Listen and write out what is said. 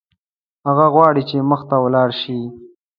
هغه غواړي چې مخته ولاړ شي.